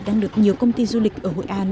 đang được nhiều công ty du lịch ở hội an